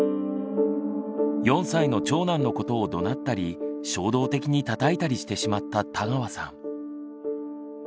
４歳の長男のことをどなったり衝動的にたたいたりしてしまった田川さん。